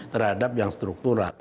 terhadap yang struktural